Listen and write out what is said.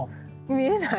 見えない？